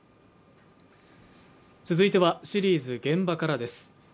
続いてはシリーズ「現場から」です。